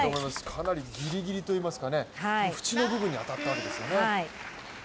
かなりギリギリといいますか縁の部分に当たったんですよね。